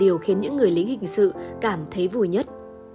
điều khiến những người lính hình sự cảm thấy vui nhất